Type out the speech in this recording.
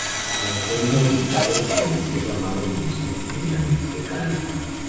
Se encuentra ubicado en la Sierra Madre del Sur, en la Mixteca Alta.